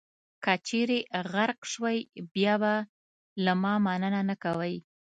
که چېرې غرق شوئ، بیا به له ما مننه نه کوئ.